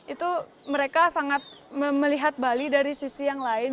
itu mereka sangat melihat bali dari sisi yang lain